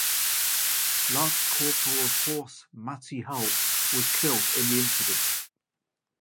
Lance Corporal of Horse Matty Hull was killed in the incident.